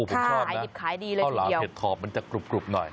ข้าวหลามเห็ดถอบมันจะกรุบหน่อยข้าวหลามเห็ดถอบมันจะกรุบหน่อย